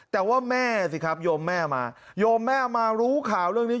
แต่ว่าแม่สิครับโยมแม่มาโยมแม่มารู้ข่าวเรื่องนี้